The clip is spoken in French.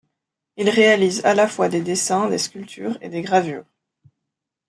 Il réalise à la fois des dessins, des sculptures et des gravures.